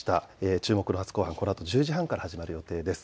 注目の初公判はこのあと１０時半から始まる予定です。